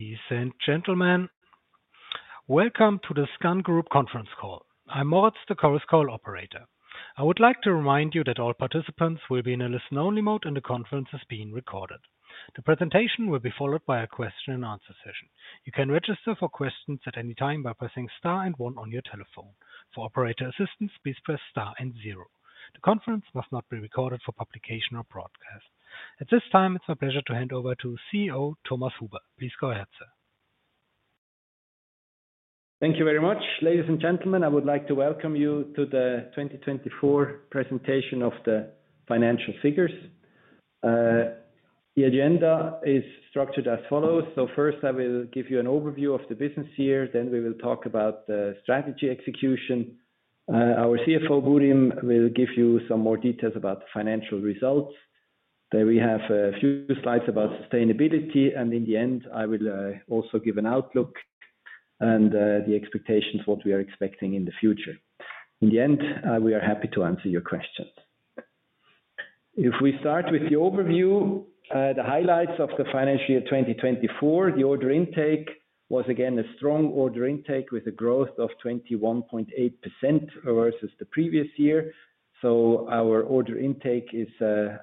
Ladies and gentlemen, welcome to the SKAN Group conference call. I'm Moritz, the call's call operator. I would like to remind you that all participants will be in a listen-only mode, and the conference is being recorded. The presentation will be followed by a question-and-answer session. You can register for questions at any time by pressing star and one on your telephone. For operator assistance, please press star and zero. The conference mt not be recorded for publication or broadcast. At this time, it's my pleasure to hand over to CEO Thomas Huber. Please go ahead, sir. Thank you very much. Ladies and gentlemen, I would like to welcome you to the 2024 presentation of the financial figures. The agenda is structured as follows. First, I will give you an overview of the business year. We will talk about the strategy execution. Our CFO, Burim, will give you some more details about the financial results. We have a few slides about sustainability. In the end, I will also give an outlook and the expectations, what we are expecting in the future. In the end, we are happy to answer your questions. If we start with the overview, the highlights of the financial year 2024, the order intake was again a strong order intake with a growth of 21.8% versus the previous year. Our order intake is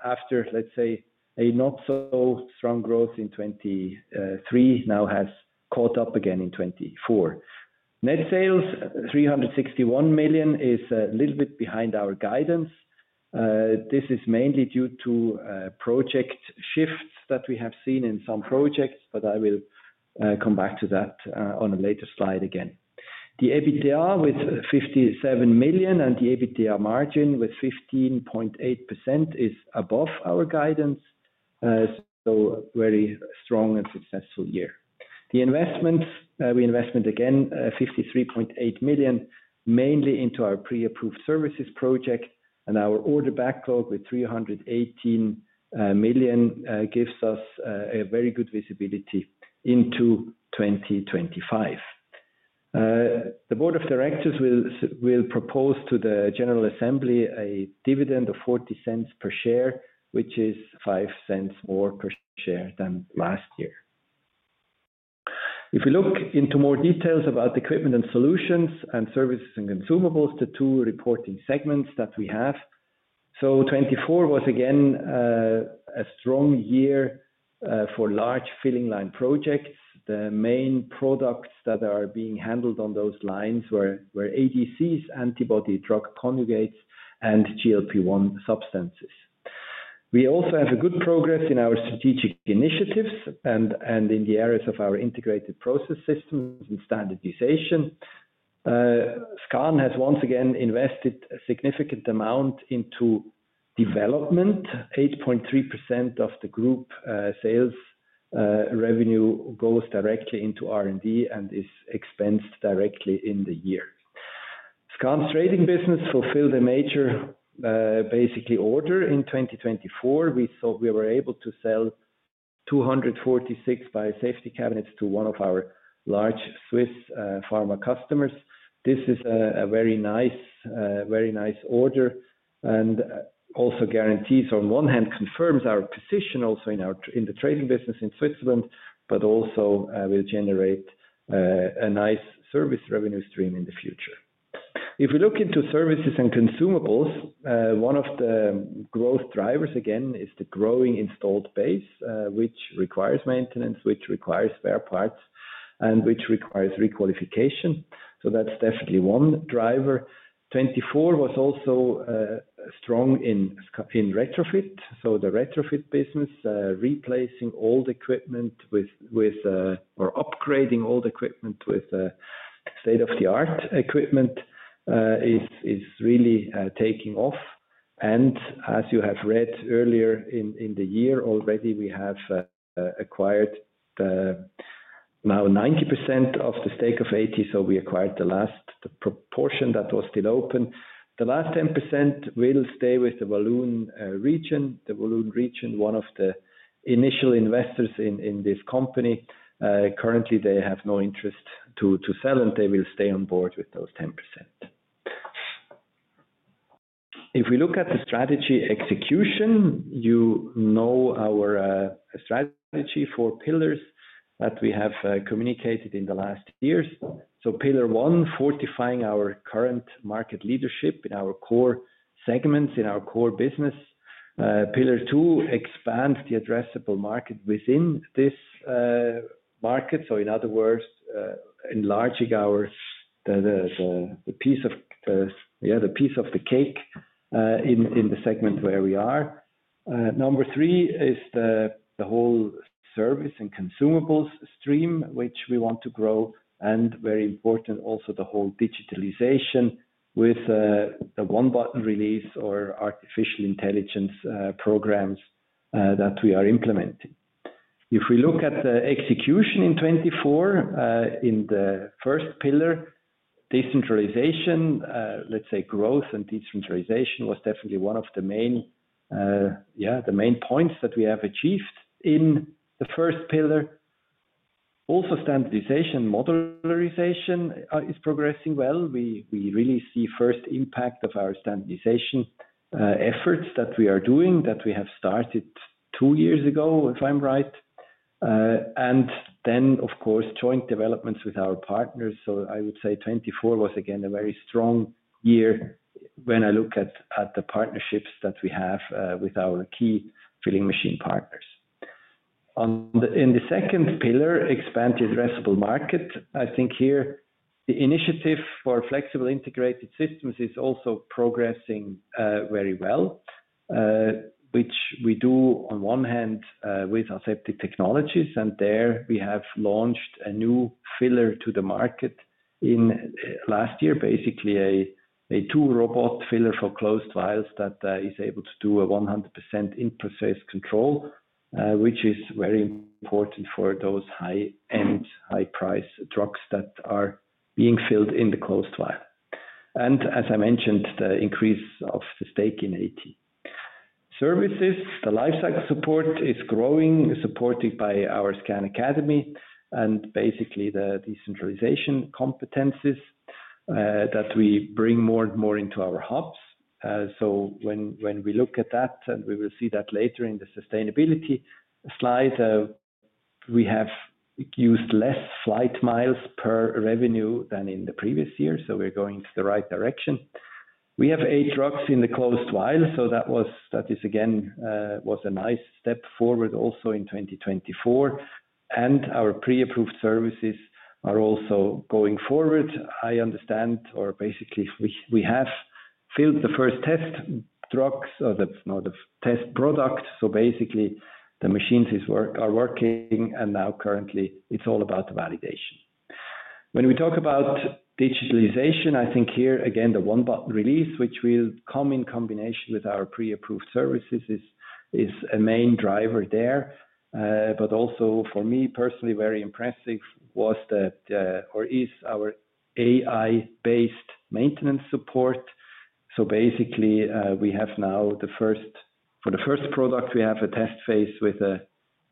after, let's say, a not-so-strong growth in 2023, now has caught up again in 2024. Net sales, 361 million, is a little bit behind our guidance. This is mainly due to project shifts that we have seen in some projects, but I will come back to that on a later slide again. The EBITDA with 57 million and the EBITDA margin with 15.8% is above our guidance, so a very strong and successful year. The investments, we invested again 53.8 million, mainly into our pre-approved services project. And our order backlog with 318 million gives us a very good visibility into 2025. The Board of Directors will propose to the General Assembly a dividend of 0.40 per share, which is 0.05 more per share than last year. If we look into more details about equipment and solutions and services and consumables, the two reporting segments that we have. 2024 was again a strong year for large filling line projects. The main products that are being handled on those lines were ADCs, antibody drug conjugates, and GLP-1 substances. We also have good progress in our strategic initiatives and in the areas of our integrated process systems and standardization. SKAN has once again invested a significant amount into development. 8.3% of the group sales revenue goes directly into R&D and is expensed directly in the year. SKAN's trading business fulfilled a major, basically, order in 2024. We saw we were able to sell 246 biosafety cabinets to one of our large Swiss pharma customers. This is a very nice order. It also guarantees, on one hand, confirms our position also in the trading business in Switzerland, but also will generate a nice service revenue stream in the future. If we look into services and consumables, one of the growth drivers again is the growing installed base, which requires maintenance, which requires spare parts, and which requires requalification. That's definitely one driver. 2024 was also strong in retrofit. The retrofit business, replacing old equipment with or upgrading old equipment with state-of-the-art equipment, is really taking off. As you have read earlier in the year, already we have acquired now 90% of the stake of AT. We acquired the last portion that was still open. The last 10% will stay with the Walloon region. The Walloon region, one of the initial investors in this company, currently they have no interest to sell, and they will stay on board with those 10%. If we look at the strategy execution, you know our strategy for pillars that we have communicated in the last years. Pillar one, fortifying our current market leadership in our core segments, in our core business. Pillar two, expand the addressable market within this market. In other words, enlarging the piece of the cake in the segment where we are. Number three is the whole service and consumables stream, which we want to grow. Very important also, the whole digitalization with the one-button release or artificial intelligence programs that we are implementing. If we look at the execution in 2024, in the first pillar, decentralization, let's say growth and decentralization was definitely one of the main points that we have achieved in the first pillar. Also, standardization and modularization is progressing well. We really see first impact of our standardization efforts that we are doing, that we have started two years ago, if I'm right. Of course, joint developments with our partners. I would say 2024 was again a very strong year when I look at the partnerships that we have with our key filling machine partners. In the second pillar, expand the addressable market. I think here the initiative for flexible integrated systems is also progressing very well, which we do on one hand with our safety technologies. There we have launched a new filler to the market in last year, basically a two-robot filler for closed vials that is able to do a 100% in-process control, which is very important for those high-end, high-price drugs that are being filled in the closed vial. As I mentioned, the increase of the stake in AT. Services, the lifecycle support is growing, supported by our SKAN Academy and basically the decentralization competencies that we bring more and more into our hubs. When we look at that, and we will see that later in the sustainability slide, we have used less flight miles per revenue than in the previous year. We are going in the right direction. We have eight drugs in the closed vial. That is again a nice step forward also in 2024. Our pre-approved services are also going forward. I understand, or basically we have filled the first test drugs or the test product. Basically the machines are working. Now currently it's all about validation. When we talk about digitalization, I think here again the one-button release, which will come in combination with our pre-approved services, is a main driver there. Also for me personally, very impressive was the, or is our AI-based maintenance support. We have now the first, for the first product, we have a test phase with a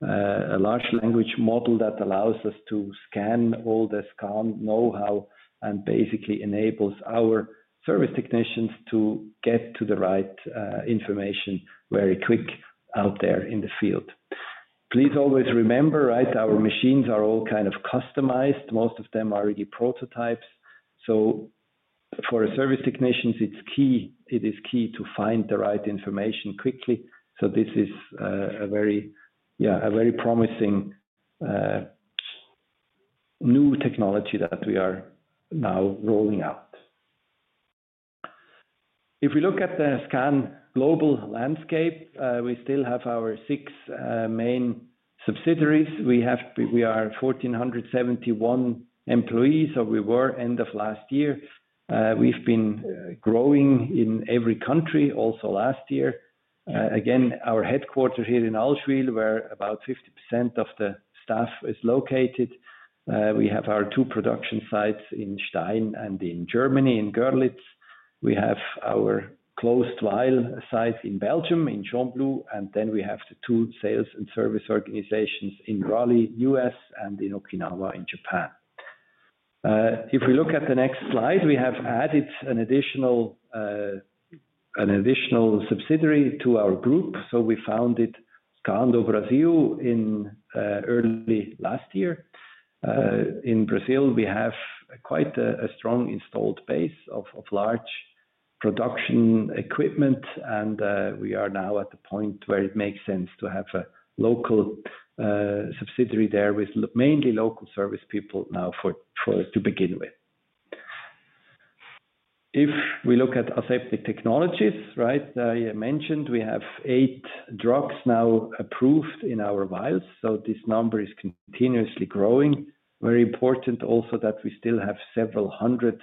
large language model that allows us to scan all the SKAN know-how and basically enables our service technicians to get to the right information very quick out there in the field. Please always remember, right, our machines are all kind of customized. Most of them are already prototypes. For service technicians, it is key to find the right information quickly. This is a very promising new technology that we are now rolling out. If we look at the SKAN global landscape, we still have our six main subsidiaries. We are 1,471 employees, or we were end of last year. We have been growing in every country also last year. Again, our headquarters here in Allschwil, where about 50% of the staff is located. We have our two production sites in Stein and in Germany, in Görlitz. We have our closed vial site in Belgium, in Gembloux. We have the two sales and service organizations in Raleigh, U.S., and in Japan. If we look at the next slide, we have added an additional subsidiary to our group. We founded SKAN do Brasil in early last year. In Brazil, we have quite a strong installed base of large production equipment. We are now at the point where it makes sense to have a local subsidiary there with mainly local service people now to begin with. If we look at our safety technologies, right, I mentioned we have eight drugs now approved in our vials. This number is continuously growing. Very important also that we still have several hundred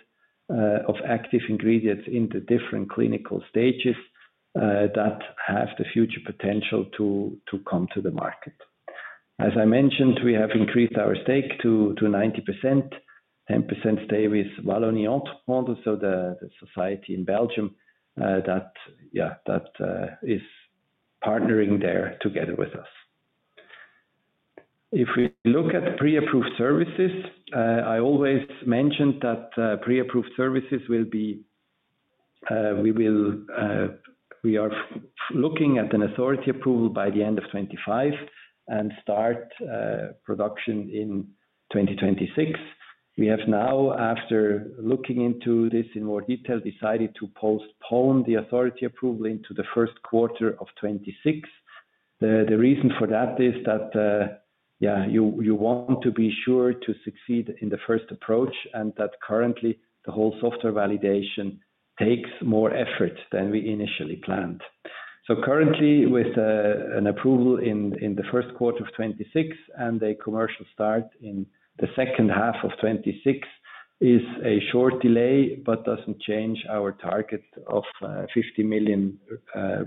of active ingredients in the different clinical stages that have the future potential to come to the market. As I mentioned, we have increased our stake to 90%. 10% stay with Wallonia, so the society in Belgium that is partnering there together with us. If we look at pre-approved services, I always mentioned that pre-approved services will be, we are looking at an authority approval by the end of 2025 and start production in 2026. We have now, after looking into this in more detail, decided to postpone the authority approval into the first quarter of 2026. The reason for that is that, yeah, you want to be sure to succeed in the first approach. And that currently the whole software validation takes more effort than we initially planned. Currently, with an approval in the first quarter of 2026 and a commercial start in the second half of 2026, there is a short delay, but it does not change our target of 50 million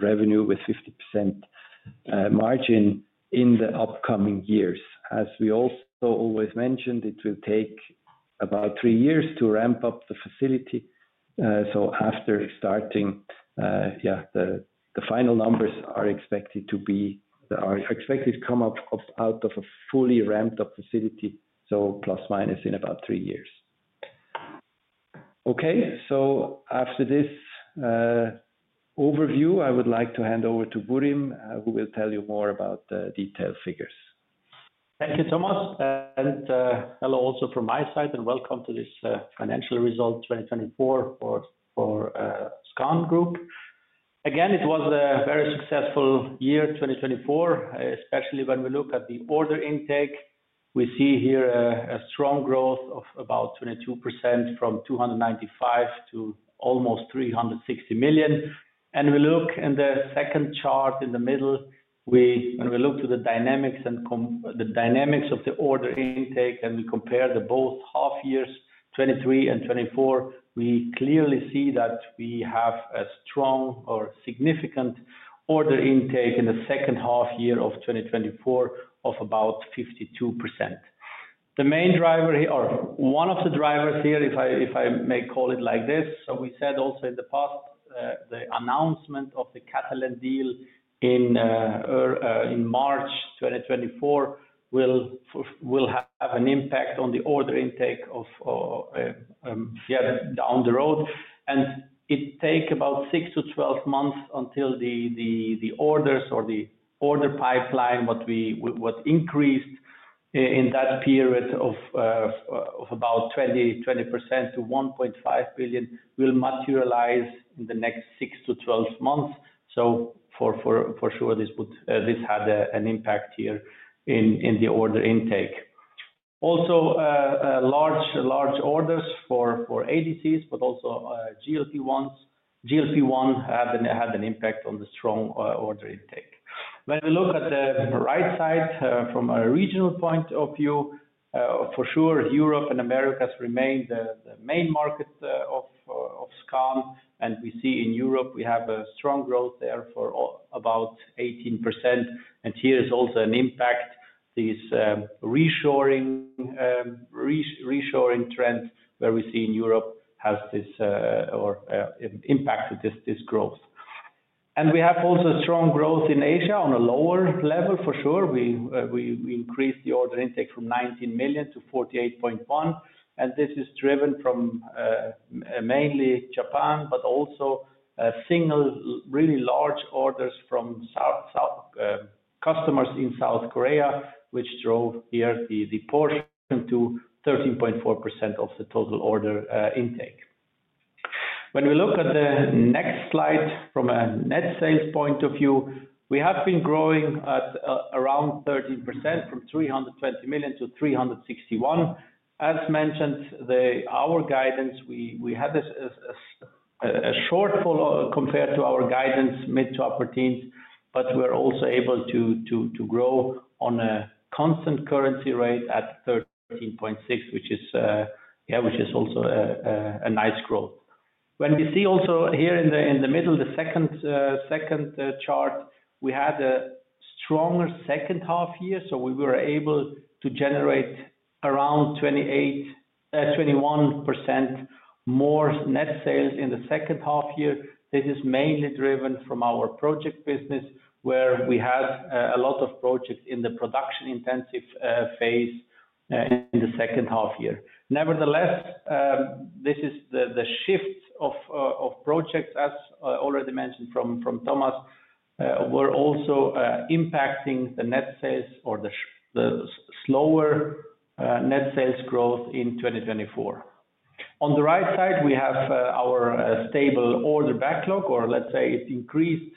revenue with 50% margin in the upcoming years. As we also always mentioned, it will take about three years to ramp up the facility. After starting, the final numbers are expected to come out of a fully ramped-up facility, so plus minus in about three years. After this overview, I would like to hand over to Burim, who will tell you more about the detailed figures. Thank you, Thomas. Hello also from my side and welcome to this financial result 2024 for SKAN Group. Again, it was a very successful year 2024, especially when we look at the order intake. We see here a strong growth of about 22% from 295 million to almost 360 million. We look in the second chart in the middle, when we look to the dynamics and the dynamics of the order intake, and we compare the both half years, 2023 and 2024, we clearly see that we have a strong or significant order intake in the second half year of 2024 of about 52%. The main driver here, or one of the drivers here, if I may call it like this. We said also in the past, the announcement of the Catalent deal in March 2024 will have an impact on the order intake of down the road. It takes about 6 to 12 months until the orders or the order pipeline, what increased in that period of about 20% to 1.5 billion, will materialize in the next 6 to 12 months. For sure, this had an impact here in the order intake. Also, large orders for ADCs, but also GLP-1s had an impact on the strong order intake. When we look at the right side from a regional point of view, for sure, Europe and America remain the main market of SKAN. We see in Europe, we have a strong growth there for about 18%. Here is also an impact, this reshoring trend where we see in Europe has this or impacted this growth. We have also strong growth in Asia on a lower level, for sure. We increased the order intake from 19 million to 48.1 million. This is driven from mainly Japan, but also single, really large orders from customers in South Korea, which drove here the portion to 13.4% of the total order intake. When we look at the next slide from a net sales point of view, we have been growing at around 13% from 320 million to 361 million. As mentioned, our guidance, we had a shortfall compared to our guidance mid to upper teens, but we're also able to grow on a constant currency rate at 13.6%, which is also a nice growth. When we see also here in the middle, the second chart, we had a stronger second half year. We were able to generate around 21% more net sales in the second half year. This is mainly driven from our project business, where we had a lot of projects in the production-intensive phase in the second half year. Nevertheless, this is the shift of projects, as already mentioned from Thomas, were also impacting the net sales or the slower net sales growth in 2024. On the right side, we have our stable order backlog, or let's say it increased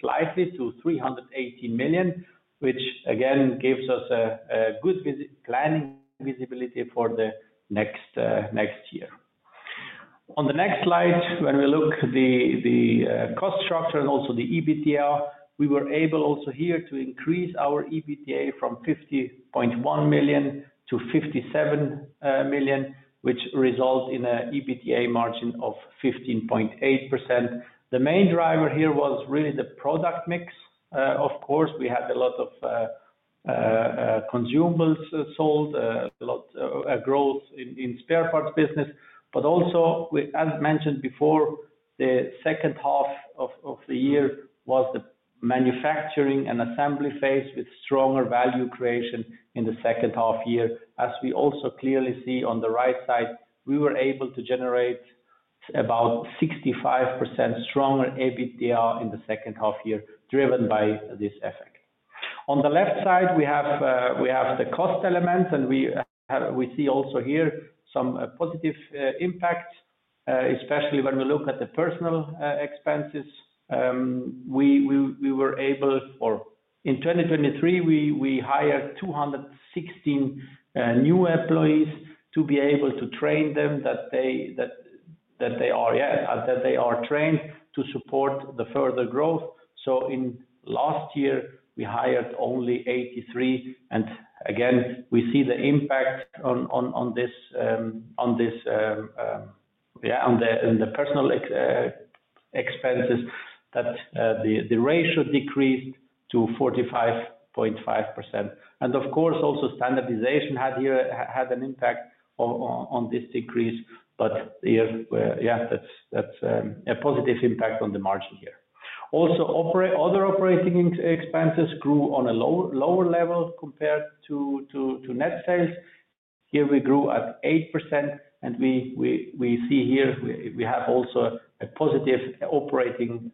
slightly to 318 million, which again gives us a good planning visibility for the next year. On the next slide, when we look at the cost structure and also the EBITDA, we were able also here to increase our EBITDA from 50.1 million to 57 million, which resulted in an EBITDA margin of 15.8%. The main driver here was really the product mix. Of course, we had a lot of consumables sold, a lot of growth in spare parts business. Also, as mentioned before, the second half of the year was the manufacturing and assembly phase with stronger value creation in the second half year. As we also clearly see on the right side, we were able to generate about 65% stronger EBITDA in the second half year, driven by this effect. On the left side, we have the cost element, and we see also here some positive impacts, especially when we look at the personnel expenses. We were able, or in 2023, we hired 216 new employees to be able to train them that they are trained to support the further growth. In last year, we hired only 83. Again, we see the impact on this, yeah, on the personnel expenses that the ratio decreased to 45.5%. Of course, also standardization had an impact on this decrease, but yeah, that's a positive impact on the margin here. Also, other operating expenses grew on a lower level compared to net sales. Here we grew at 8%, and we see here we have also a positive operating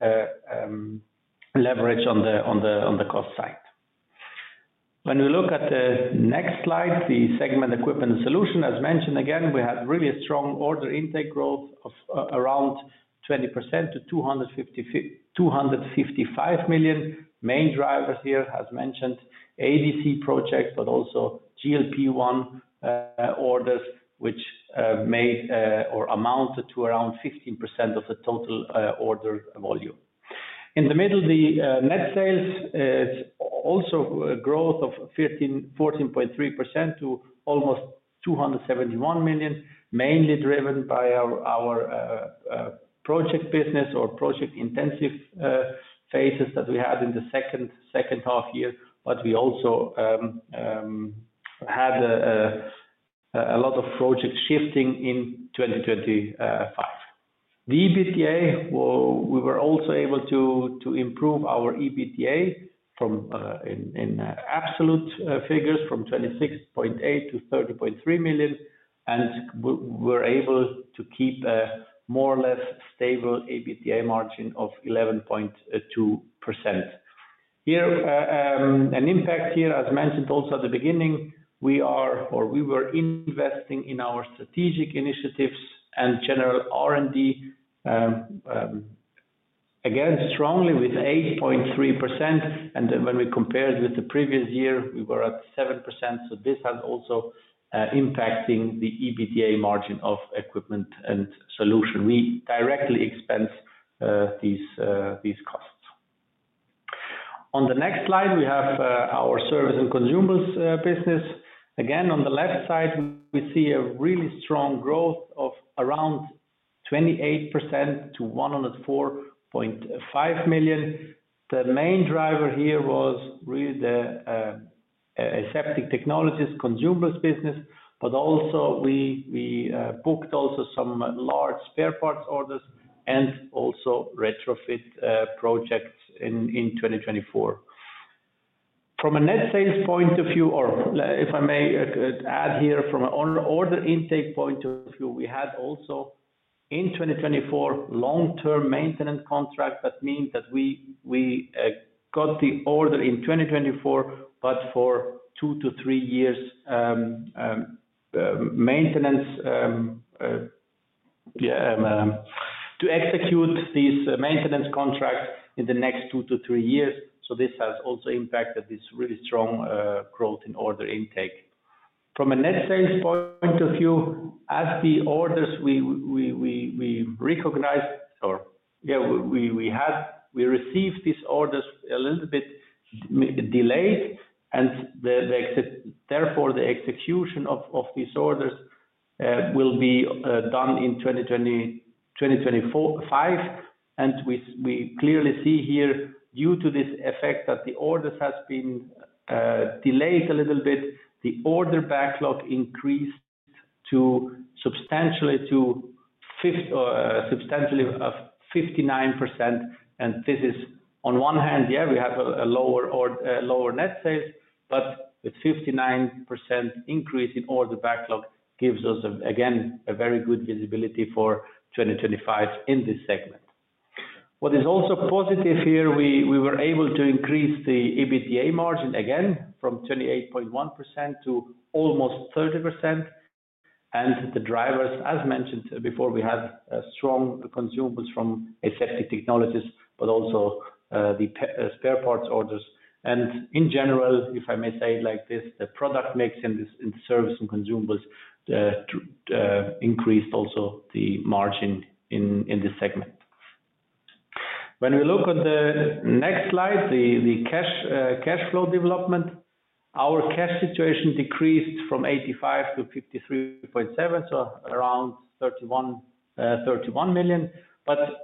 leverage on the cost side. When we look at the next slide, the segment equipment solution, as mentioned again, we had really strong order intake growth of around 20% to 255 million. Main drivers here, as mentioned, ADC projects, but also GLP-1 orders, which made or amounted to around 15% of the total order volume. In the middle, the net sales is also a growth of 14.3% to almost 271 million, mainly driven by our project business or project-intensive phases that we had in the second half year. We also had a lot of project shifting in 2025. The EBITDA, we were also able to improve our EBITDA from in absolute figures from 26.8 million to 30.3 million. We were able to keep a more or less stable EBITDA margin of 11.2%. Here, an impact here, as mentioned also at the beginning, we are or we were investing in our strategic initiatives and general R&D, again, strongly with 8.3%. When we compared with the previous year, we were at 7%. This has also impacted the EBITDA margin of equipment and solution. We directly expense these costs. On the next slide, we have our service and consumables business. Again, on the left side, we see a really strong growth of around 28% to 104.5 million. The main driver here was really the safety technologies consumables business, but also we booked also some large spare parts orders and also retrofit projects in 2024. From a net sales point of view, or if I may add here from an order intake point of view, we had also in 2024, long-term maintenance contract. That means that we got the order in 2024, but for two to three years maintenance to execute these maintenance contracts in the next two to three years. This has also impacted this really strong growth in order intake. From a net sales point of view, as the orders we recognized, or yeah, we received these orders a little bit delayed. Therefore, the execution of these orders will be done in 2025. We clearly see here, due to this effect that the orders have been delayed a little bit, the order backlog increased substantially to 59%. This is on one hand, yeah, we have a lower net sales, but with 59% increase in order backlog gives us, again, a very good visibility for 2025 in this segment. What is also positive here, we were able to increase the EBITDA margin again from 28.1% to almost 30%. The drivers, as mentioned before, we had strong consumables from safety technologies, but also the spare parts orders. In general, if I may say it like this, the product mix in service and consumables increased also the margin in this segment. When we look at the next slide, the cash flow development, our cash situation decreased from 85 million to 53.7 million, so around 31 million.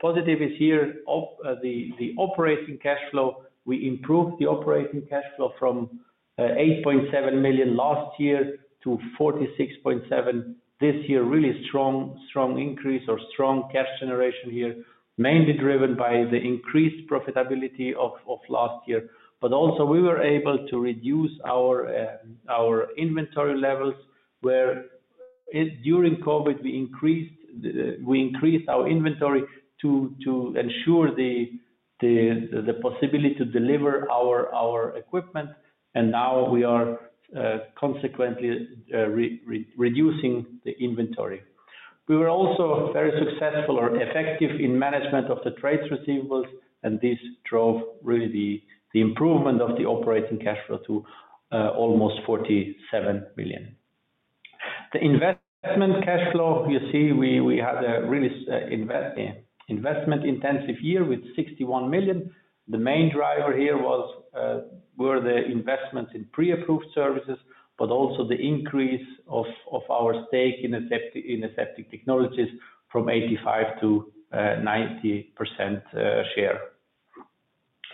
Positive is here of the operating cash flow. We improved the operating cash flow from 8.7 million last year to 46.7 million this year. Really strong increase or strong cash generation here, mainly driven by the increased profitability of last year. We were also able to reduce our inventory levels where during COVID we increased our inventory to ensure the possibility to deliver our equipment. Now we are consequently reducing the inventory. We were also very successful or effective in management of the trade receivables. This drove really the improvement of the operating cash flow to almost 47 million. The investment cash flow, you see, we had a really investment-intensive year with 61 million. The main driver here were the investments in pre-approved services, but also the increase of our stake in Aseptic Technologies from 85% to 90% share.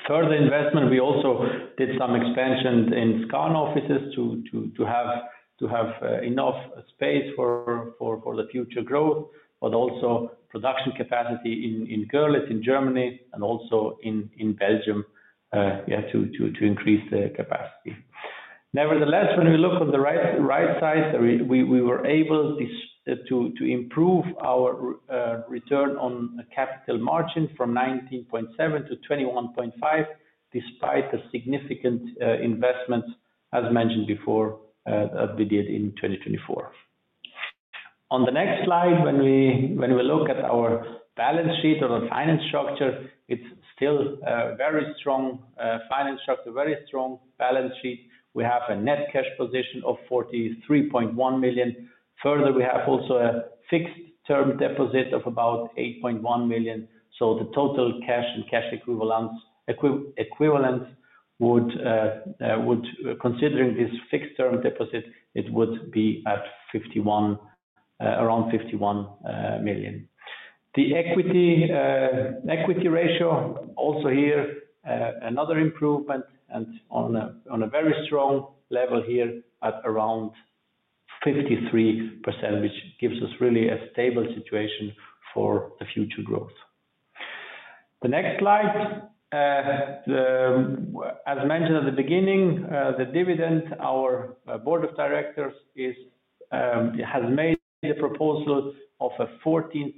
Further investment, we also did some expansion in SKAN offices to have enough space for the future growth, but also production capacity in Görlitz in Germany and also in Belgium, yeah, to increase the capacity. Nevertheless, when we look on the right side, we were able to improve our return on capital margin from 19.7% to 21.5% despite the significant investments, as mentioned before, that we did in 2024. On the next slide, when we look at our balance sheet or the finance structure, it's still a very strong finance structure, very strong balance sheet. We have a net cash position of 43.1 million. Further, we have also a fixed term deposit of about 8.1 million. The total cash and cash equivalence would, considering this fixed term deposit, it would be at around 51 million. The equity ratio also here, another improvement and on a very strong level here at around 53%, which gives us really a stable situation for the future growth. The next slide, as mentioned at the beginning, the dividend, our Board of Directors has made the proposal of a 14%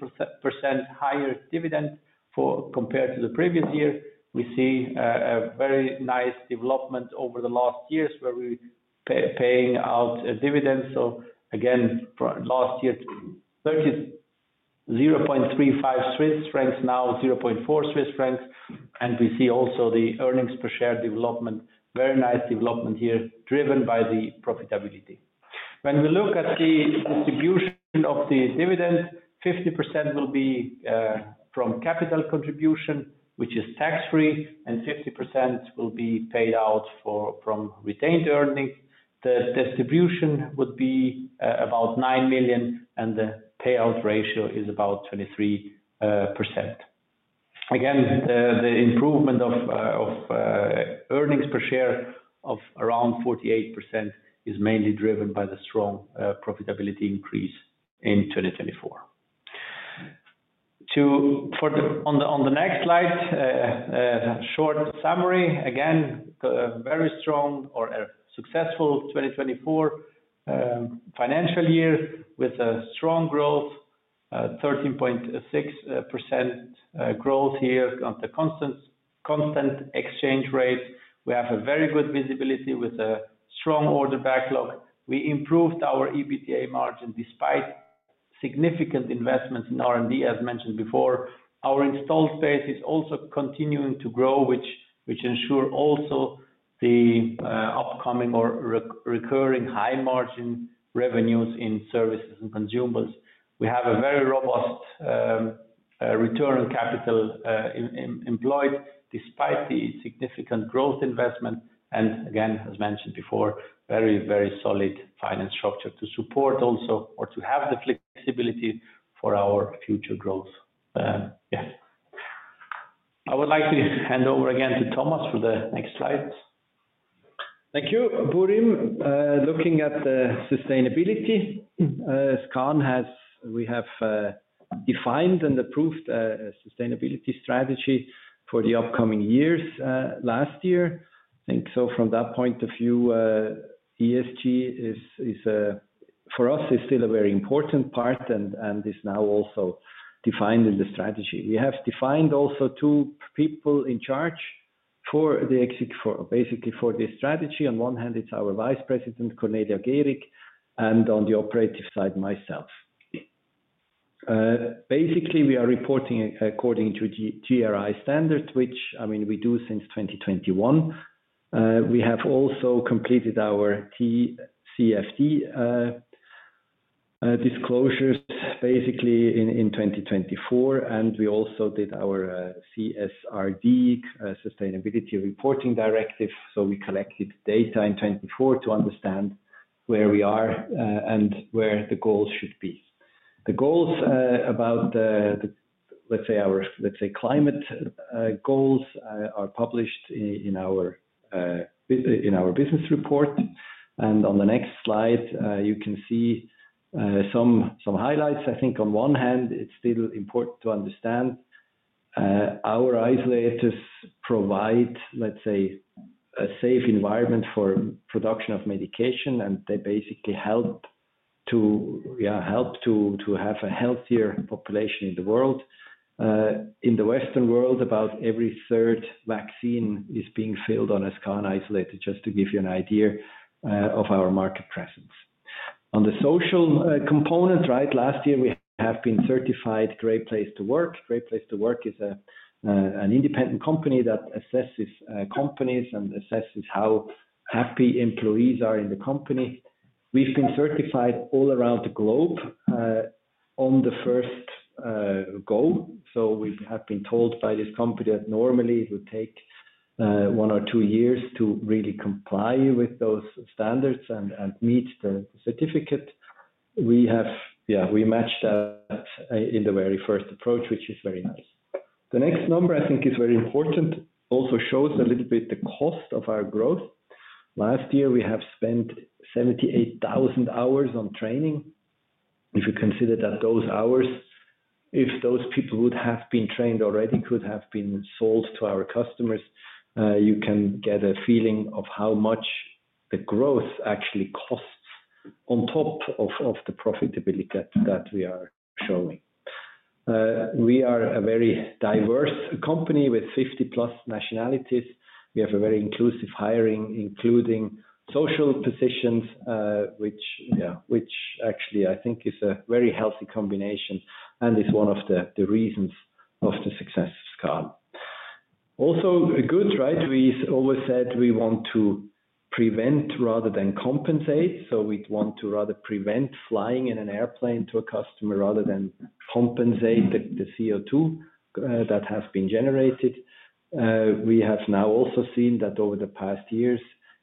higher dividend compared to the previous year. We see a very nice development over the last years where we are paying out dividends. Last year to 0.35 Swiss francs, now 0.4 Swiss francs. We see also the earnings per share development, very nice development here driven by the profitability. When we look at the distribution of the dividend, 50% will be from capital contribution, which is tax-free, and 50% will be paid out from retained earnings. The distribution would be about 9 million, and the payout ratio is about 23%. The improvement of earnings per share of around 48% is mainly driven by the strong profitability increase in 2024. On the next slide, short summary, very strong or successful 2024 financial year with a strong growth, 13.6% growth here on the constant exchange rates. We have a very good visibility with a strong order backlog. We improved our EBITDA margin despite significant investments in R&D, as mentioned before. Our installed base is also continuing to grow, which ensures also the upcoming or recurring high margin revenues in services and consumables. We have a very robust return on capital employed despite the significant growth investment. As mentioned before, very, very solid finance structure to support also or to have the flexibility for our future growth. Yeah. I would like to hand over again to Thomas for the next slides. Thank you. Burim, looking at the sustainability, SKAN has defined and approved a sustainability strategy for the upcoming years. Last year, I think so from that point of view, ESG for us is still a very important part and is now also defined in the strategy. We have defined also two people in charge for basically for this strategy. On one hand, it's our Vice President, Cornelia Gehrig, and on the operative side, myself. Basically, we are reporting according to GRI standard, which I mean we do since 2021. We have also completed our TCFD disclosures basically in 2024, and we also did our CSRD, Sustainability Reporting Directive. We collected data in 2024 to understand where we are and where the goals should be. The goals about, let's say, our, let's say, climate goals are published in our business report. On the next slide, you can see some highlights. I think on one hand, it's still important to understand our isolators provide, let's say, a safe environment for production of medication, and they basically help to, yeah, help to have a healthier population in the world. In the Western world, about every third vaccine is being filled on a SKAN isolator, just to give you an idea of our market presence. On the social component, right, last year we have been certified Great Place to Work. Great Place to Work is an independent company that assesses companies and assesses how happy employees are in the company. We've been certified all around the globe on the first go. We have been told by this company that normally it would take one or two years to really comply with those standards and meet the certificate. We have, yeah, we matched that in the very first approach, which is very nice. The next number I think is very important, also shows a little bit the cost of our growth. Last year, we have spent 78,000 hours on training. If you consider that those hours, if those people would have been trained already, could have been sold to our customers, you can get a feeling of how much the growth actually costs on top of the profitability that we are showing. We are a very diverse company with 50 plus nationalities. We have a very inclusive hiring, including social positions, which, yeah, which actually I think is a very healthy combination and is one of the reasons of the success of SKAN. Also good, right? We always said we want to prevent rather than compensate. We want to rather prevent flying in an airplane to a customer rather than compensate the CO2 that has been generated. We have now also seen that over the past years,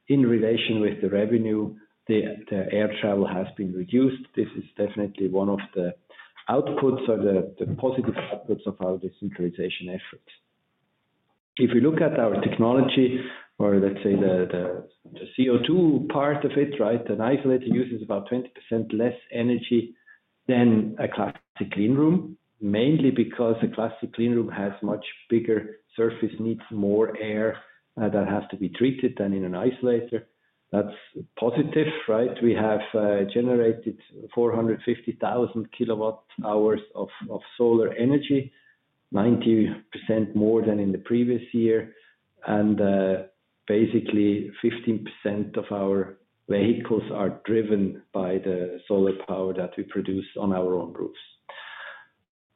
in relation with the revenue, the air travel has been reduced. This is definitely one of the outputs or the positive outputs of our decentralization efforts. If we look at our technology or let's say the CO2 part of it, right, an isolator uses about 20% less energy than a classic cleanroom, mainly because a classic cleanroom has much bigger surface, needs more air that has to be treated than in an isolator. That's positive, right? We have generated 450,000 kWh of solar energy, 90% more than in the previous year. Basically 15% of our vehicles are driven by the solar power that we produce on our own roofs.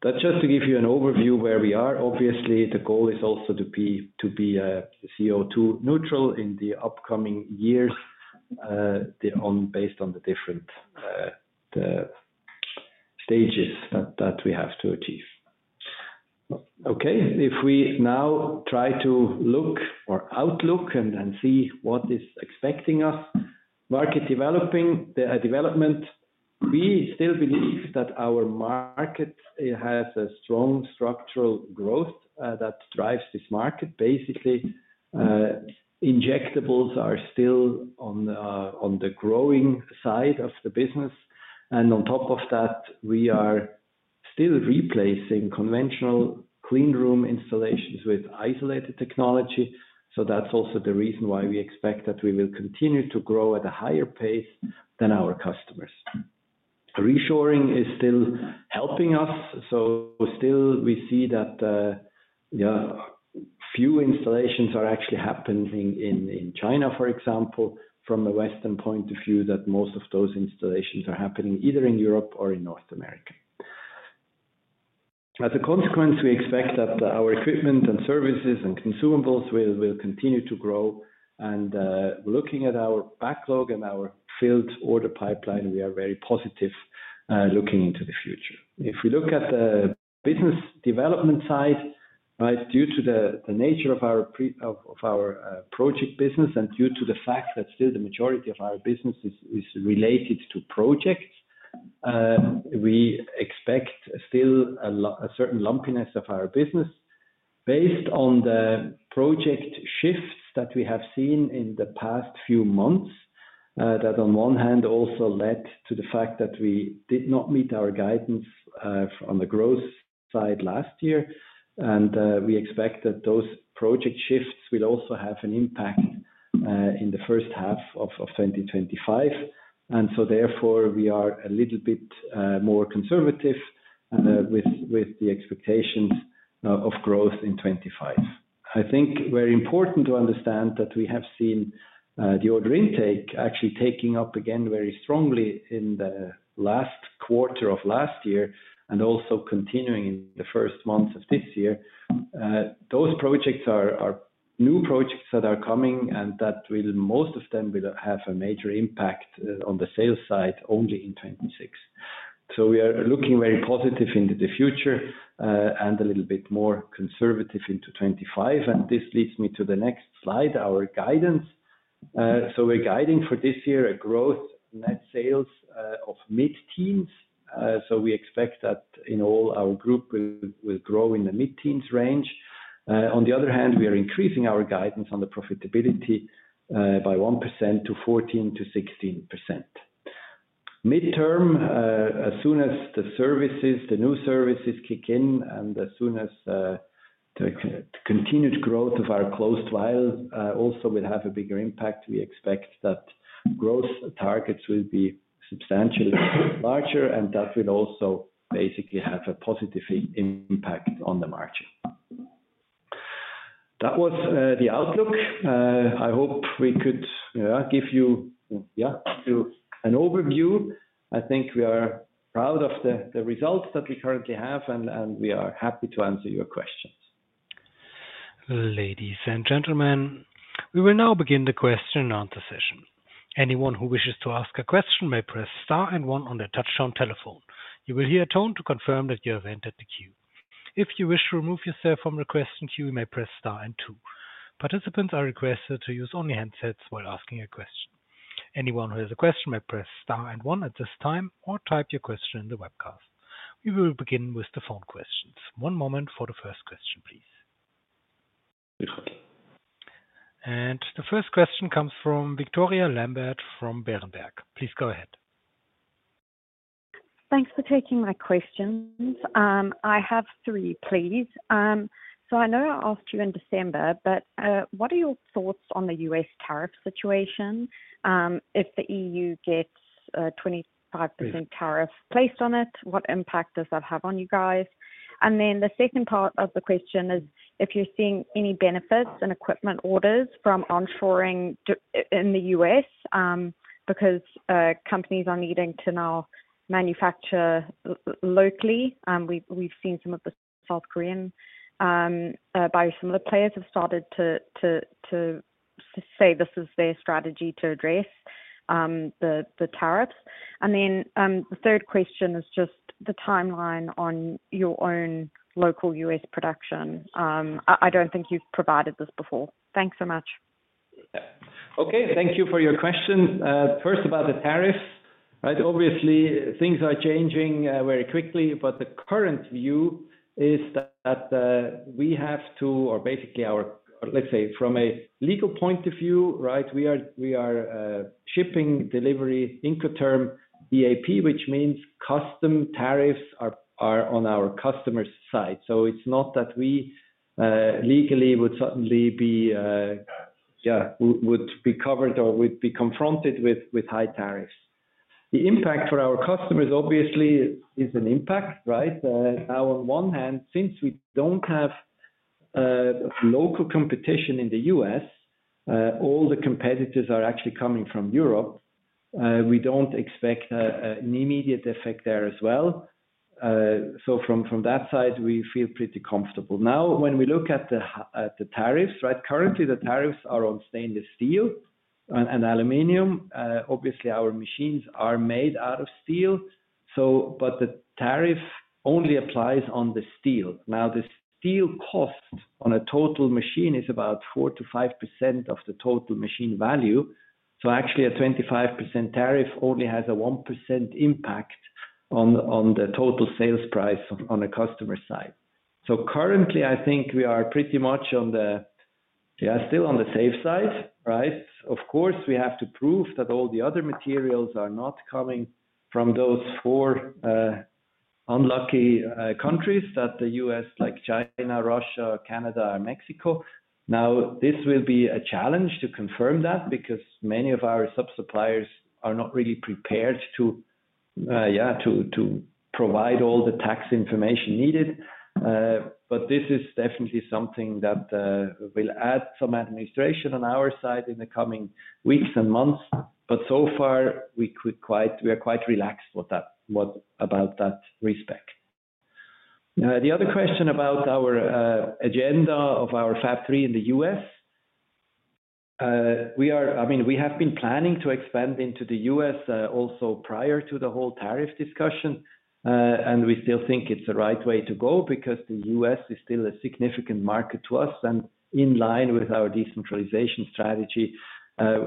That's just to give you an overview where we are. Obviously, the goal is also to be CO2 neutral in the upcoming years based on the different stages that we have to achieve. Okay. If we now try to look or outlook and see what is expecting us, market development, we still believe that our market has a strong structural growth that drives this market. Basically, injectables are still on the growing side of the business. On top of that, we are still replacing conventional cleanroom installations with isolator technology. That is also the reason why we expect that we will continue to grow at a higher pace than our customers. Reshoring is still helping us. Still, we see that, yeah, few installations are actually happening in China, for example, from a Western point of view that most of those installations are happening either in Europe or in North America. As a consequence, we expect that our equipment and services and consumables will continue to grow. Looking at our backlog and our filled order pipeline, we are very positive looking into the future. If we look at the business development side, right, due to the nature of our project business and due to the fact that still the majority of our business is related to projects, we expect still a certain lumpiness of our business based on the project shifts that we have seen in the past few months that on one hand also led to the fact that we did not meet our guidance on the growth side last year. We expect that those project shifts will also have an impact in the first half of 2025. Therefore, we are a little bit more conservative with the expectations of growth in 2025. I think very important to understand that we have seen the order intake actually taking up again very strongly in the last quarter of last year and also continuing in the first months of this year. Those projects are new projects that are coming and that will most of them will have a major impact on the sales side only in 2026. We are looking very positive into the future and a little bit more conservative into 2025. This leads me to the next slide, our guidance. We are guiding for this year a growth net sales of mid-teens. We expect that in all our group will grow in the mid-teens range. On the other hand, we are increasing our guidance on the profitability by 1% to 14-16%. Mid-term, as soon as the services, the new services kick in and as soon as the continued growth of our closed vials also will have a bigger impact, we expect that growth targets will be substantially larger and that will also basically have a positive impact on the margin. That was the outlook. I hope we could give you, yeah, an overview. I think we are proud of the results that we currently have and we are happy to answer your questions. Ladies and gentlemen, we will now begin the question and answer session. Anyone who wishes to ask a question may press star and one on their touchscreen telephone. You will hear a tone to confirm that you have entered the queue. If you wish to remove yourself from the question queue, you may press star and two. Participants are requested to use only handsets while asking a question. Anyone who has a question may press star and one at this time or type your question in the webcast. We will begin with the phone questions. One moment for the first question, please. The first question comes from Victoria Lambert from Berenberg. Please go ahead. Thanks for taking my questions. I have three, please. I know I asked you in December, but what are your thoughts on the U.S. tariff situation? If the EU gets a 25% tariff placed on it, what impact does that have on you guys? The second part of the question is if you're seeing any benefits and equipment orders from onshoring in the U.S. because companies are needing to now manufacture locally. We've seen some of the South Korean biosimilar players have started to say this is their strategy to address the tariffs. Then the third question is just the timeline on your own local U.S. production. I do not think you have provided this before. Thanks so much. Okay. Thank you for your question. First, about the tariffs, right? Obviously, things are changing very quickly, but the current view is that we have to, or basically our, let's say, from a legal point of view, right, we are shipping delivery Incoterm DAP, which means custom tariffs are on our customer's side. It is not that we legally would suddenly be, yeah, would be covered or would be confronted with high tariffs. The impact for our customers obviously is an impact, right? Now, on one hand, since we do not have local competition in the U.S., all the competitors are actually coming from Europe. We do not expect an immediate effect there as well. From that side, we feel pretty comfortable. Now, when we look at the tariffs, right, currently the tariffs are on stainless steel and aluminum. Obviously, our machines are made out of steel. The tariff only applies on the steel. The steel cost on a total machine is about 4-5% of the total machine value. Actually, a 25% tariff only has a 1% impact on the total sales price on a customer's side. Currently, I think we are pretty much on the, yeah, still on the safe side, right? Of course, we have to prove that all the other materials are not coming from those four unlucky countries that the U.S., like China, Russia, Canada, and Mexico. This will be a challenge to confirm that because many of our sub-suppliers are not really prepared to, yeah, to provide all the tax information needed. This is definitely something that will add some administration on our side in the coming weeks and months. So far, we are quite relaxed about that respect. The other question about our agenda of our fab three in the U.S., I mean, we have been planning to expand into the U.S. also prior to the whole tariff discussion. We still think it is the right way to go because the U.S. is still a significant market to us. In line with our decentralization strategy,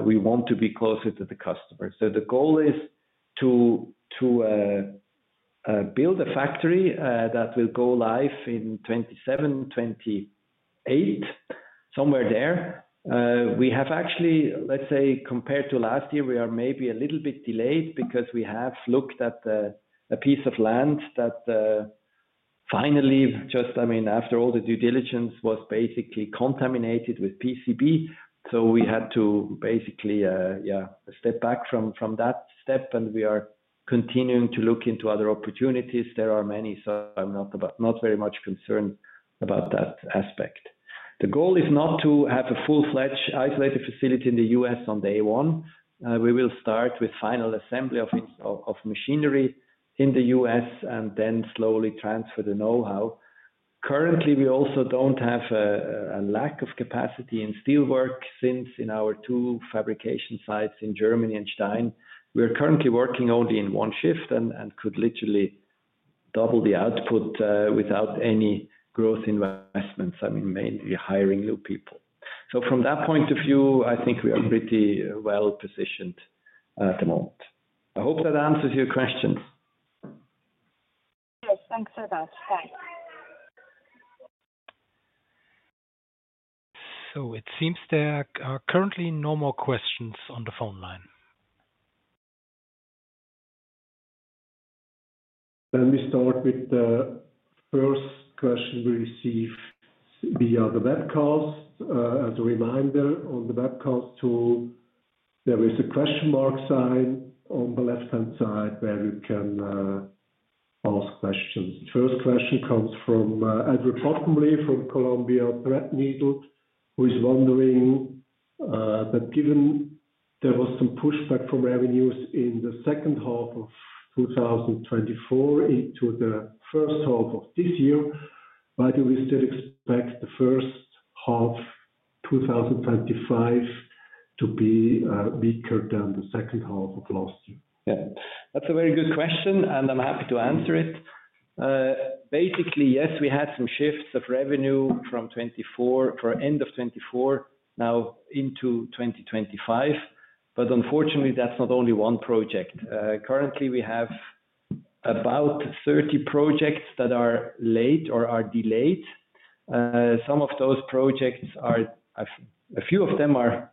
we want to be closer to the customer. The goal is to build a factory that will go live in 2027-2028, somewhere there. We have actually, let's say, compared to last year, we are maybe a little bit delayed because we have looked at a piece of land that finally, just, I mean, after all the due diligence was basically contaminated with PCB. So we had to basically, yeah, step back from that step and we are continuing to look into other opportunities. There are many, so I'm not very much concerned about that aspect. The goal is not to have a full-fledged isolated facility in the U.S. on day one. We will start with final assembly of machinery in the U.S. and then slowly transfer the know-how. Currently, we also don't have a lack of capacity in steel work since in our two fabrication sites in Germany and Stein. We are currently working only in one shift and could literally double the output without any growth investments, I mean, mainly hiring new people. From that point of view, I think we are pretty well positioned at the moment. I hope that answers your questions. Yes. Thanks so much. Thanks. It seems there are currently no more questions on the phone line. Let me start with the first question we receive via the webcast. As a reminder on the webcast tool, there is a question mark sign on the left-hand side where you can ask questions. First question comes from Edward Bottomley from Columbia Threadneedle, who is wondering that given there was some pushback from revenues in the second half of 2024 into the first half of this year, why do we still expect the first half of 2025 to be weaker than the second half of last year? Yeah. That's a very good question, and I'm happy to answer it. Basically, yes, we had some shifts of revenue from 2024 for end of 2024 now into 2025. Unfortunately, that's not only one project. Currently, we have about 30 projects that are late or are delayed. Some of those projects are, a few of them are,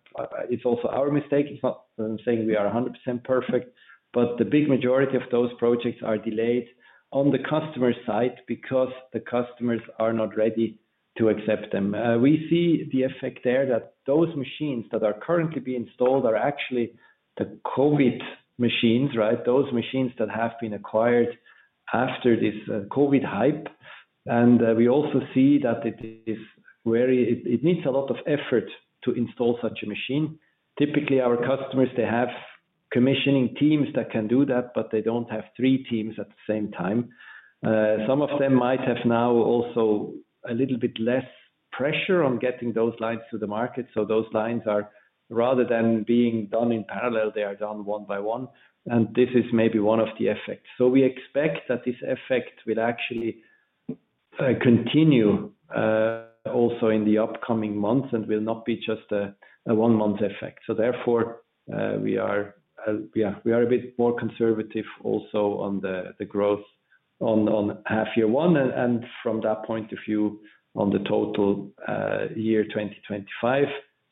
it's also our mistake. It's not that I'm saying we are 100% perfect, but the big majority of those projects are delayed on the customer's side because the customers are not ready to accept them. We see the effect there that those machines that are currently being installed are actually the COVID machines, right? Those machines that have been acquired after this COVID hype. We also see that it needs a lot of effort to install such a machine. Typically, our customers, they have commissioning teams that can do that, but they do not have three teams at the same time. Some of them might have now also a little bit less pressure on getting those lines to the market. Those lines are rather than being done in parallel, they are done one by one. This is maybe one of the effects. We expect that this effect will actually continue also in the upcoming months and will not be just a one-month effect. Therefore, we are a bit more conservative also on the growth on half year one. From that point of view, on the total year 2025,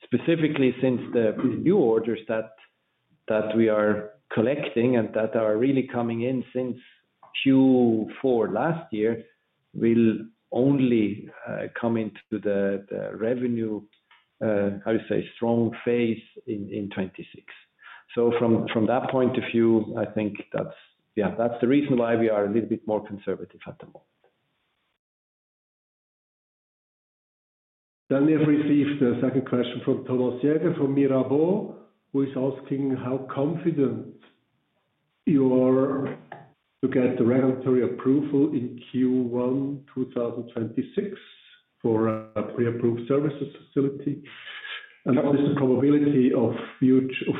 specifically since the new orders that we are collecting and that are really coming in since Q4 last year will only come into the revenue, I would say, strong phase in 2026. From that point of view, I think that's the reason why we are a little bit more conservative at the moment. We have received the second question from Thomas Jäger from Mirabaud, who is asking how confident you are to get the regulatory approval in Q1 2026 for a pre-approved services facility. What is the probability of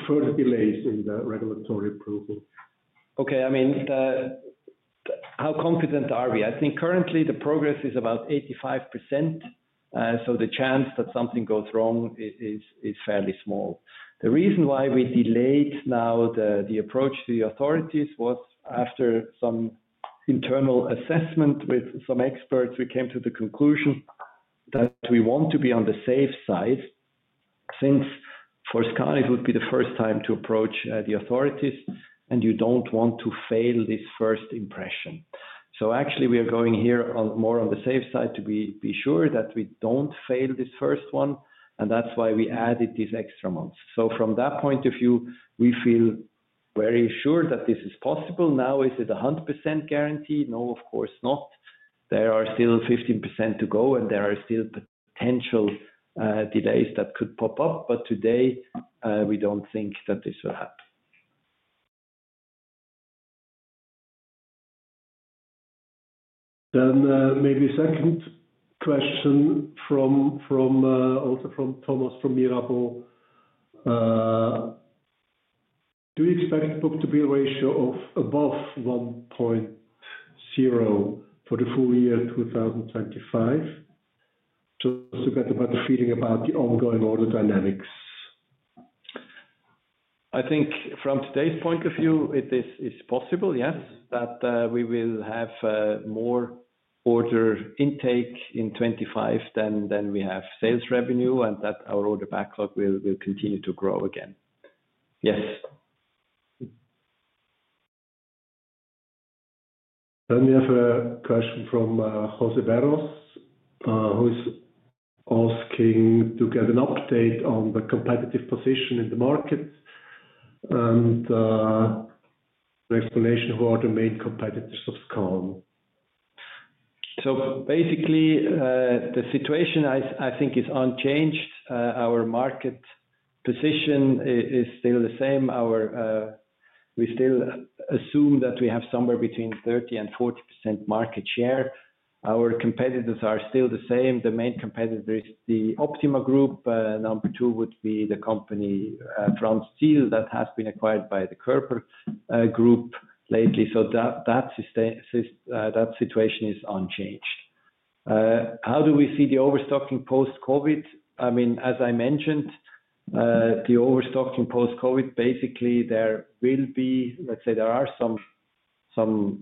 further delays in the regulatory approval? Okay. I mean, how confident are we? I think currently the progress is about 85%. The chance that something goes wrong is fairly small. The reason why we delayed now the approach to the authorities was after some internal assessment with some experts, we came to the conclusion that we want to be on the safe side since for SKAN, it would be the first time to approach the authorities and you don't want to fail this first impression. Actually, we are going here more on the safe side to be sure that we don't fail this first one. That's why we added these extra months. From that point of view, we feel very sure that this is possible. Now, is it a 100% guarantee? No, of course not. There are still 15% to go and there are still potential delays that could pop up. Today, we don't think that this will happen. Maybe second question also from Thomas from Mirabaud. Do you expect book-to-bill ratio of above 1.0 for the full year 2025? Just to get a better feeling about the ongoing order dynamics. I think from today's point of view, it is possible, yes, that we will have more order intake in 2025 than we have sales revenue and that our order backlog will continue to grow again. Yes. We have a question from José Berros, who is asking to get an update on the competitive position in the market and the explanation of who are the main competitors of SKAN. Basically, the situation I think is unchanged. Our market position is still the same. We still assume that we have somewhere between 30% and 40% market share. Our competitors are still the same. The main competitor is the OPTIMA Group. Number two would be the company Franz Ziel that has been acquired by the Körber Group lately. That situation is unchanged. How do we see the overstocking post-COVID? I mean, as I mentioned, the overstocking post-COVID, basically, there will be, let's say, there are some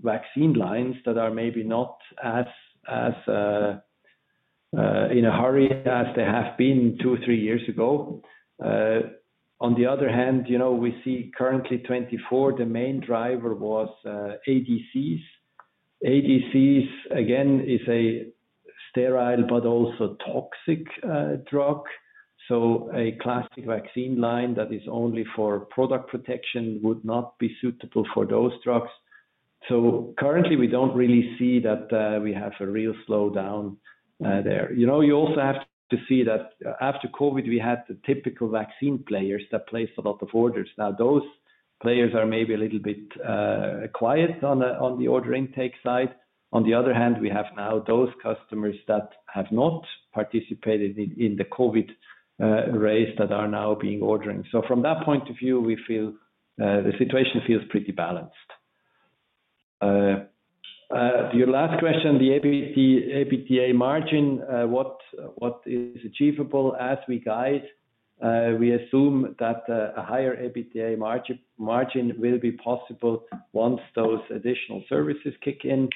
vaccine lines that are maybe not as in a hurry as they have been two, three years ago. On the other hand, we see currently 2024, the main driver was ADCs. ADCs, again, is a sterile but also toxic drug. A classic vaccine line that is only for product protection would not be suitable for those drugs. Currently, we don't really see that we have a real slowdown there. You also have to see that after COVID, we had the typical vaccine players that placed a lot of orders. Now, those players are maybe a little bit quiet on the order intake side. On the other hand, we have now those customers that have not participated in the COVID race that are now being ordering. From that point of view, the situation feels pretty balanced. Your last question, the EBITDA margin, what is achievable as we guide? We assume that a higher EBITDA margin will be possible once those additional services kick in.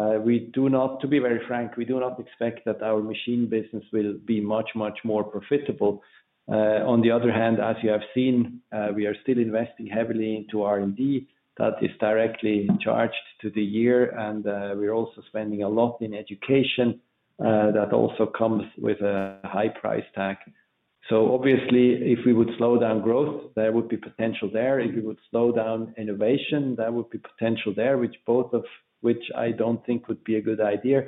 To be very frank, we do not expect that our machine business will be much, much more profitable. On the other hand, as you have seen, we are still investing heavily into R&D that is directly charged to the year. We are also spending a lot in education that also comes with a high price tag. Obviously, if we would slow down growth, there would be potential there. If we would slow down innovation, there would be potential there, which I do not think would be a good idea.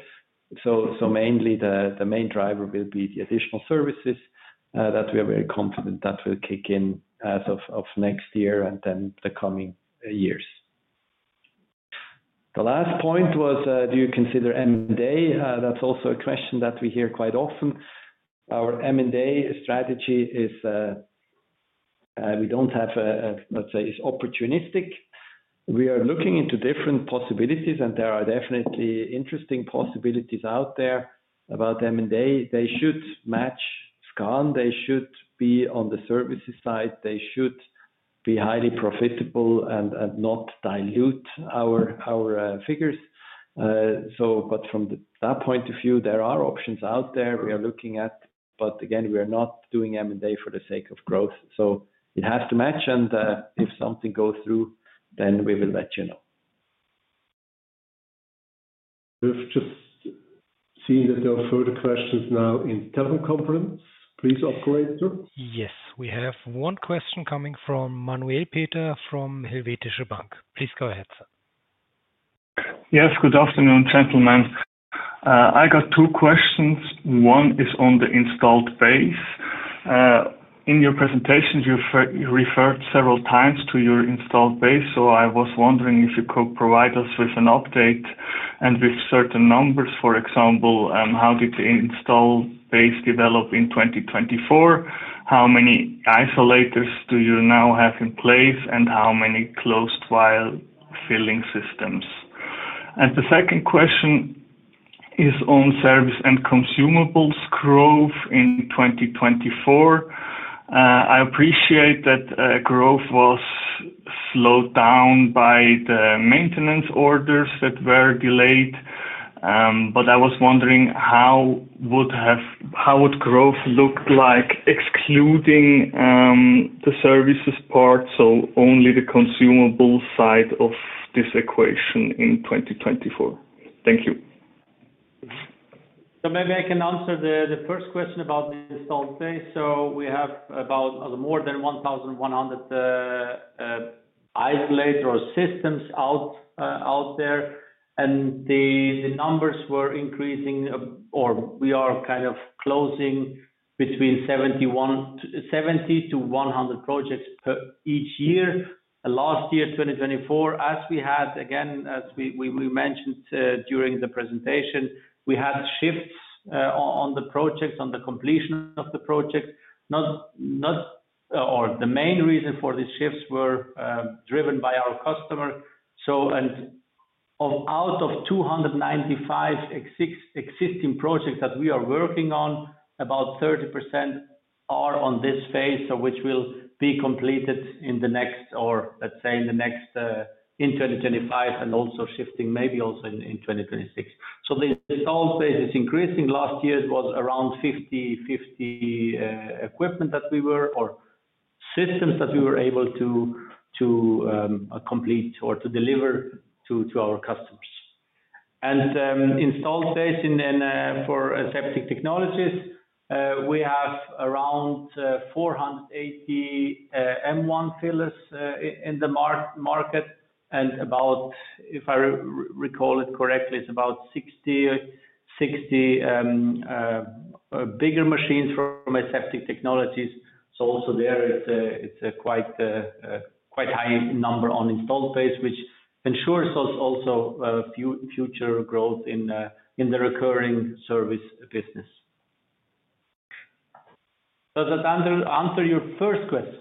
Mainly, the main driver will be the additional services that we are very confident that will kick in as of next year and then the coming years. The last point was, do you consider M&A? That is also a question that we hear quite often. Our M&A strategy is, we do not have, let's say, is opportunistic. We are looking into different possibilities, and there are definitely interesting possibilities out there about M&A. They should match SKAN. They should be on the services side. They should be highly profitable and not dilute our figures. From that point of view, there are options out there. We are looking at, but again, we are not doing M&A for the sake of growth. It has to match. If something goes through, then we will let you know. We have just seen that there are further questions now in teleconference. Please operate. Yes. We have one question coming from Manuel Peter from Helvetische Bank. Please go ahead, sir. Yes. Good afternoon, gentlemen. I got two questions. One is on the installed base. In your presentation, you referred several times to your installed base. I was wondering if you could provide us with an update and with certain numbers. For example, how did the installed base develop in 2024? How many isolators do you now have in place and how many closed vial filling systems? The second question is on service and consumables growth in 2024. I appreciate that growth was slowed down by the maintenance orders that were delayed. I was wondering how would growth look like excluding the services part, so only the consumable side of this equation in 2024? Thank you. Maybe I can answer the first question about the installed base. We have about more than 1,100 isolator or systems out there. The numbers were increasing, or we are kind of closing between 70-100 projects each year. Last year, 2024, as we had, again, as we mentioned during the presentation, we had shifts on the projects, on the completion of the project. The main reason for these shifts were driven by our customer. Out of 295 existing projects that we are working on, about 30% are on this phase, which will be completed in the next, or let's say in the next in 2025, and also shifting maybe also in 2026. The installed base is increasing. Last year, it was around 50 equipment that we were, or systems that we were able to complete or to deliver to our customers. Installed base for Aseptic Technologies, we have around 480 M1 fillers in the market. If I recall it correctly, it's about 60 bigger machines from Aseptic Technologies. Also there, it's a quite high number on installed base, which ensures also future growth in the recurring service business. Does that answer your first question?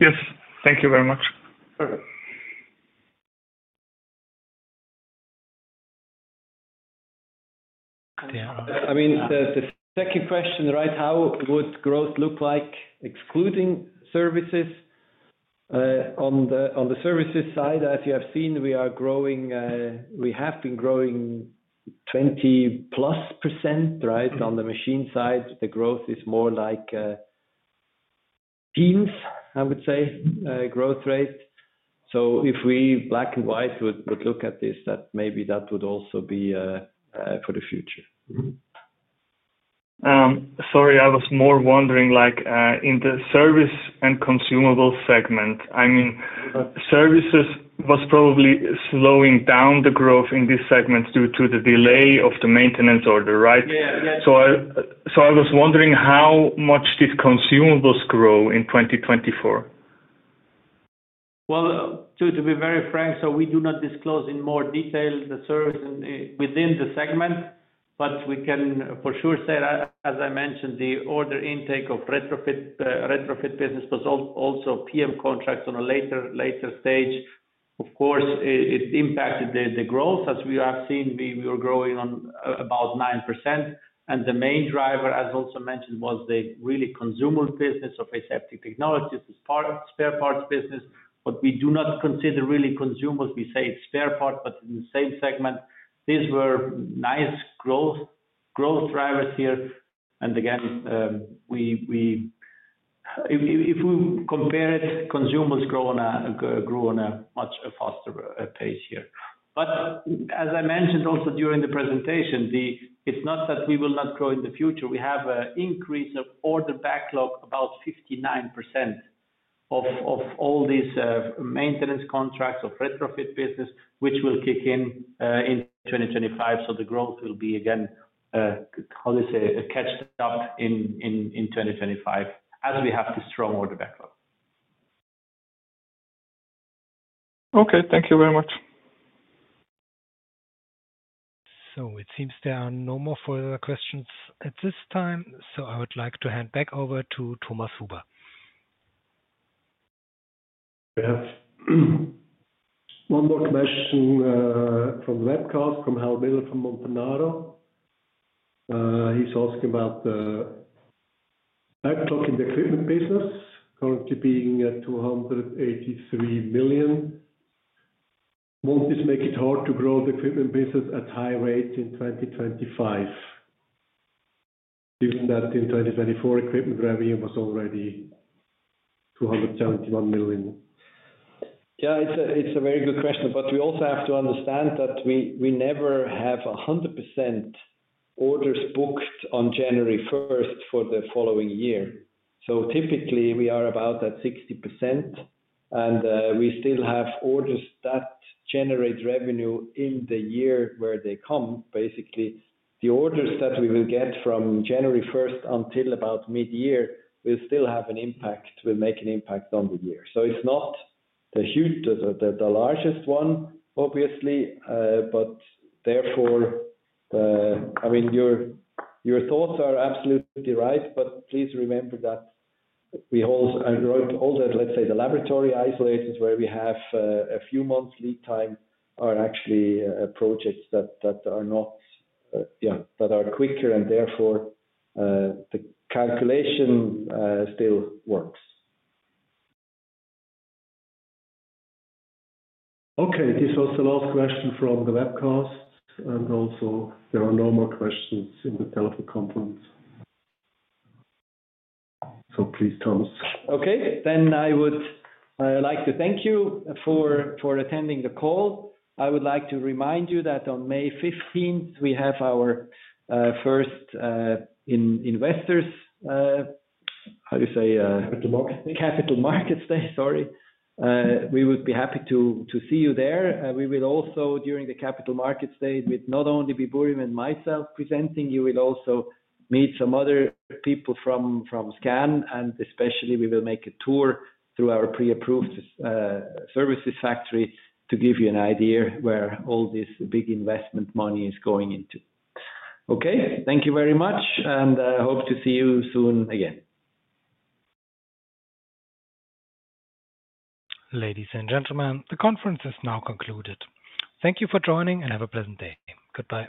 Yes. Thank you very much. I mean, the second question, right, how would growth look like excluding services? On the services side, as you have seen, we have been growing 20%+, right? On the machine side, the growth is more like teens, I would say, growth rate. If we black and white would look at this, that maybe that would also be for the future. Sorry, I was more wondering in the service and consumable segment. I mean, services was probably slowing down the growth in this segment due to the delay of the maintenance order, right? I was wondering how much did consumables grow in 2024? To be very frank, we do not disclose in more detail the service within the segment. We can for sure say, as I mentioned, the order intake of retrofit business was also PM contracts on a later stage. Of course, it impacted the growth. As we have seen, we were growing on about 9%. The main driver, as also mentioned, was the really consumable business of Aseptic Technologies, the spare parts business. We do not consider really consumables. We say it is spare parts, but in the same segment, these were nice growth drivers here. If we compare it, consumables grew on a much faster pace here. As I mentioned also during the presentation, it's not that we will not grow in the future. We have an increase of order backlog, about 59% of all these maintenance contracts of retrofit business, which will kick in in 2025. The growth will be, again, how do you say, catched up in 2025 as we have this strong order backlog. Thank you very much. It seems there are no more further questions at this time. I would like to hand back over to Thomas Huber. We have one more question from webcast from [Helbener] from Montanaro. He's asking about the backlog in the equipment business, currently being 283 million. Won't this make it hard to grow the equipment business at high rates in 2025? Given that in 2024, equipment revenue was already 271 million. Yeah, it's a very good question. I mean, we also have to understand that we never have 100% orders booked on January 1st for the following year. Typically, we are about at 60%. We still have orders that generate revenue in the year where they come. Basically, the orders that we will get from January 1st until about mid-year will still have an impact, will make an impact on the year. It's not the largest one, obviously. I mean, your thoughts are absolutely right. Please remember that we hold all the, let's say, the laboratory isolators where we have a few months lead time are actually projects that are not, yeah, that are quicker. Therefore, the calculation still works. Okay. This was the last question from the Webcast. There are no more questions in the teleconference. Please, Thomas. I would like to thank you for attending the call. I would like to remind you that on May 15th, we have our first investors, how do you say, capital markets day? Capital markets day, sorry. We would be happy to see you there. We will also, during the capital markets day, not only be Burim and myself presenting, you will also meet some other people from SKAN. Especially, we will make a tour through our pre-approved services factory to give you an idea where all this big investment money is going into. Thank you very much. I hope to see you soon again. Ladies and gentlemen, the conference is now concluded. Thank you for joining and have a pleasant day. Goodbye.